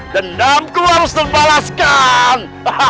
dendamku harus terbalaskan